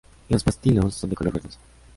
Los pistilos son de color verdoso.